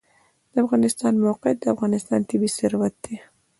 د افغانستان موقعیت د افغانستان طبعي ثروت دی.